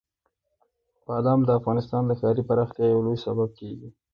بادام د افغانستان د ښاري پراختیا یو لوی سبب کېږي.